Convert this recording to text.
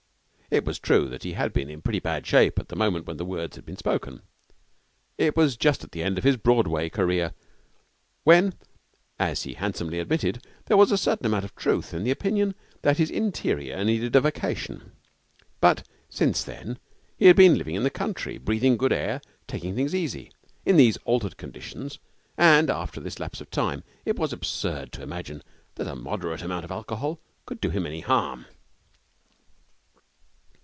It was true that he had been in pretty bad shape at the moment when the words had been spoken. It was just at the end of his Broadway career, when, as he handsomely admitted, there was a certain amount of truth in the opinion that his interior needed a vacation. But since then he had been living in the country, breathing good air, taking things easy. In these altered conditions and after this lapse of time it was absurd to imagine that a moderate amount of alcohol could do him any harm.